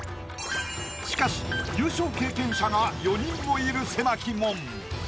しかし優勝経験者が４人もいる狭き門。